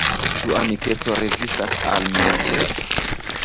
Ĉu amikeco rezistas al milito?